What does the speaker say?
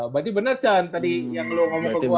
berarti bener can tadi yang lu ngomong ke gua